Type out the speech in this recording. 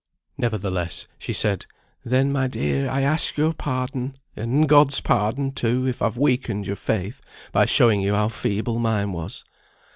Nevertheless, she said, "Then, my dear, I ask your pardon, and God's pardon, too, if I've weakened your faith, by showing you how feeble mine was.